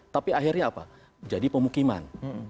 tapi akhirnya apa jadi pemukiman